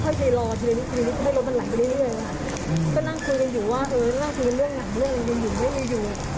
มีส้มแจงอยู่ในขณะที่คนหนึ่งใช้รถอยู่เนี่ย